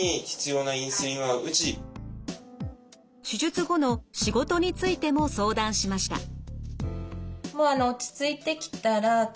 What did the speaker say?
手術後の仕事についても相談しました。